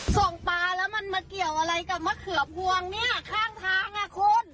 ปลาแล้วมันมาเกี่ยวอะไรกับมะเขือพวงเนี่ยข้างทางอ่ะคุณ